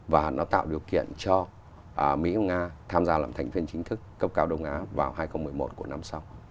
và nó tạo điều kiện cho mỹ và nga tham gia làm thành viên chính thức cấp cao đông á vào hai nghìn một mươi một của năm sau